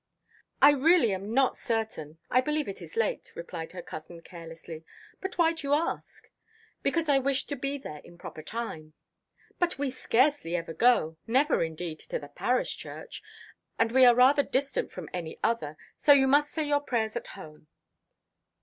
"I really am not certain I believe it is late," replied her cousin carelessly. "But why do you ask?' "Because I wish to be there in proper time." "But we scarcely ever go never, indeed, to the parish church and we are rather distant from any other; so you must say your prayers at home."